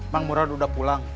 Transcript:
pangguran udah pulang